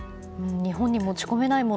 日本に持ち込めないもの